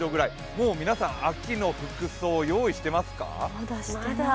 もう皆さん、秋の服装、用意してますか？